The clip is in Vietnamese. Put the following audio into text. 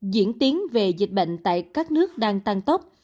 diễn tiến về dịch bệnh tại các nước đang tăng tốc